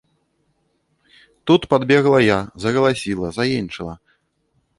Тут падбегла я, загаласіла, заенчыла.